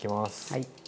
はい。